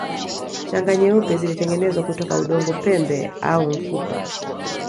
Shanga nyeupe zilitengenezwa kutoka udongo pembe au mfupa